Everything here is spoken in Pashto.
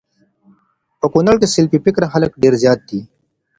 په کونړ کي سلفي فکره خلک ډير زيات دي